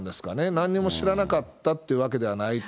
なんにも知らなかったというわけではないと。